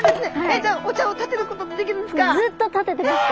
じゃあお茶をたてることもできるんですか？